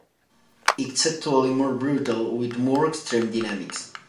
It's actually more brutal, with more extreme dynamics.